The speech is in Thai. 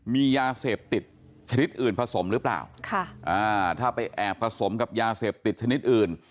มียาเสพติดชนิดอื่นผสมหรือเปล่าถ้าไปแอบผสมกับยาเสพติดชนิดอื่น